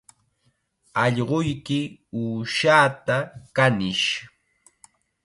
Allquyki uushaata kanish